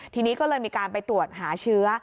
ทีนี้ก็เลยมีการไปตรวจหาเชื้อ